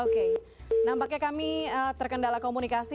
oke nampaknya kami terkendala komunikasi